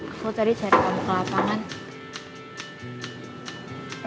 aku tadi cari tahu ke lapangan